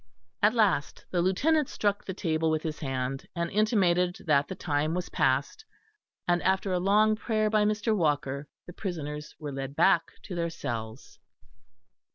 At last the Lieutenant struck the table with his hand, and intimated that the time was past, and after a long prayer by Mr. Walker, the prisoners were led back to their cells.